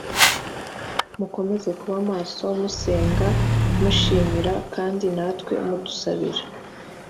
mukomeze kuba maso musenga mushimira w kandi natwe mudusabire